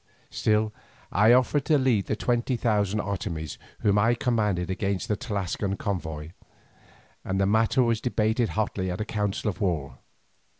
Still I offered to lead the twenty thousand Otomies whom I commanded against the Tlascalan convoy, and the matter was debated hotly at a council of war.